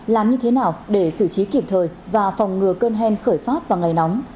làm như thế nào để xử trí kịp thời và phòng ngừa cơn hen khởi phát vào ngày nóng